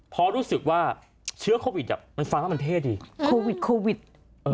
เพราะรู้สึกว่าเชื้อโควิดอ่ะมันฟังแล้วมันเท่ดีโควิดเออ